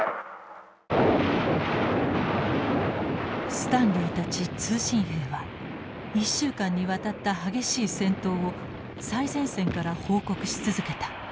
スタンリーたち通信兵は１週間にわたった激しい戦闘を最前線から報告し続けた。